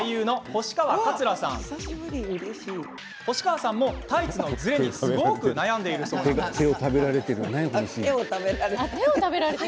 星川さんもタイツのズレにすごく悩んでいるそうなんです。